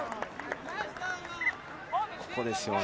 ここですよね。